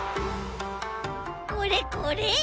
これこれ！